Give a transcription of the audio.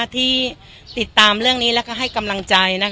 ที่ติดตามเรื่องนี้และให้กำลังใจ